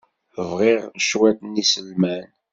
Bɣiɣ cwiṭ n yiselman.